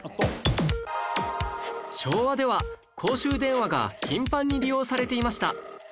昭和では公衆電話が頻繁に利用されていました